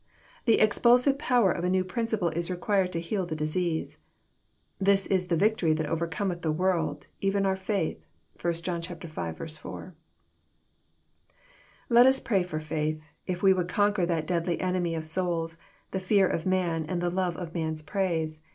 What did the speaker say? The expulsive power of a new principle is required to heal the disease. "This is the victory that overcometh the world, even our faith." (1 John v. 4.) Let us pray for faith, if we would conquer that deadly enemy of souls, the fear of man and the love of man^s praise.